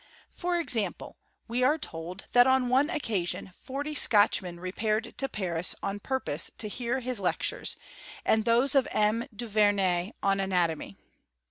For example, we are told that on one occasion forty Scotch* men repaired to Paris on purpose to hear his lecturesi' and those of M, Du Vemey on anatomy.